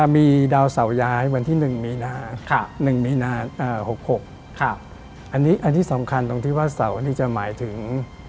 มีดาวเสาย้ายวันที่๑มีนา๑มีนา๖๖อันนี้สำคัญตรงที่ว่าเสาร์อันนี้จะหมายถึง